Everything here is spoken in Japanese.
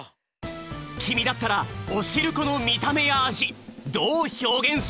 きみだったらおしるこのみためやあじどうひょうげんする？